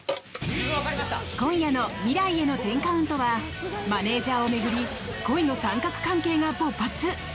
今夜の「未来への１０カウント」はマネージャーを巡り恋の三角関係が勃発！